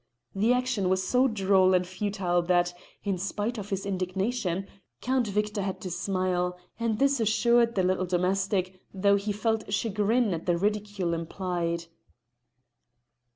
The action was so droll and futile that, in spite of his indignation, Count Victor had to smile; and this assured the little domestic, though he felt chagrin at the ridicule implied.